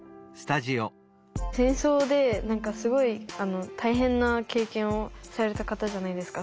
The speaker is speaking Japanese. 戦争で何かすごい大変な経験をされた方じゃないですか。